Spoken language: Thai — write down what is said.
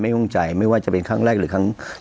ไม่ห่วงใจไม่ว่าจะเป็นครั้งแรก